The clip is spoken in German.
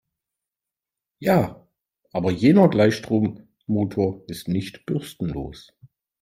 Ja, aber jener Gleichstrommotor ist nicht bürstenlos.